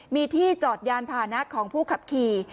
มีที่จอดยานพานะของผู้ขับขี่